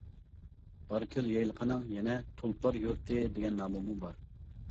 بارىكۆل يايلىقىنىڭ يەنە «تۇلپار يۇرتى» دېگەن نامىمۇ بار.